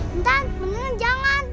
bentar bentar jangan